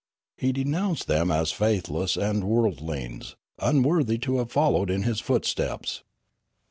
He denounced them as faith less and worldlings, unworthy to have followed in his footsteps.